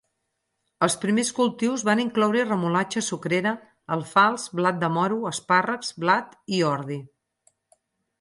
Els primers cultius van incloure remolatxa sucrera, alfals, blat de moro, espàrrecs, blat i ordi.